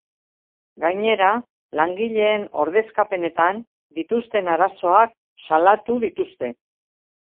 Gainera, langileen ordezkapenetan dituzten arazoak salatu dituzte.